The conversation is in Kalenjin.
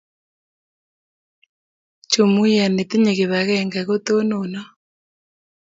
Jumuia netinyei kip agenge kotononot